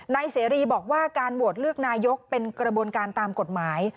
เสรีบอกว่าการโหวตเลือกนายกเป็นกระบวนการตามกฎหมาย